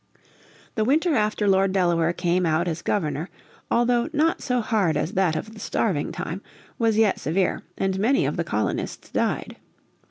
The winter after Lord Delaware came out as Governor, although not so hard as that of the Starving Time, was yet severe, and many of the colonists died.